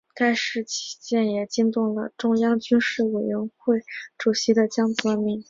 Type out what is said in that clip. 该事件也惊动了中央军事委员会主席江泽民。